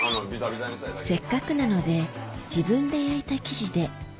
せっかくなので自分で焼いた生地でなるほどおぉ。